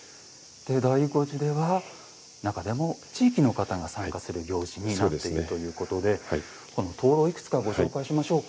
醍醐寺では中でも地域の方が参加する行事になっているということで灯籠、いくつかご紹介しましょう。